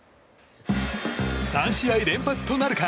３試合連発となるか。